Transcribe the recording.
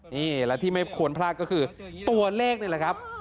นี่และที่ไม่ควรพลาดก็คือตัวเลขนี่แหละครับ